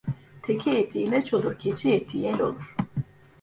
Teke eti ilaç olur, keçi eti yel olur.